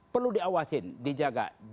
perlu diawasin dijaga